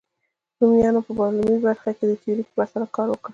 رومیانو په عملي برخه کې د تیوري په پرتله کار وکړ.